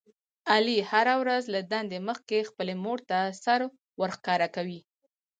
علي هره ورځ له دندې مخکې خپلې مورته سر ورښکاره کوي.